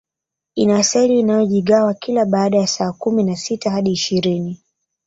Ina seli inayojigawa kila baada ya saa kumi na sita hadi ishirini